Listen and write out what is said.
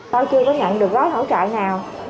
tôi chưa có nhận được gói thảo trại nào